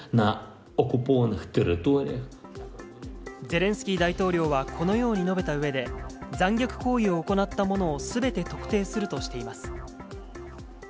ゼレンスキー大統領は、このように述べたうえで、残虐行為を行った者をすべて特定するとしています。